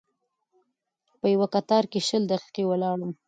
په یوه کتار کې شل دقیقې ولاړ وم.